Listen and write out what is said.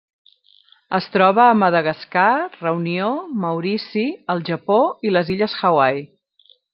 Es troba a Madagascar, Reunió, Maurici, el Japó i les illes Hawaii.